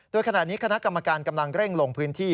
โดยขณะนี้คณะกรรมการกำลังเร่งลงพื้นที่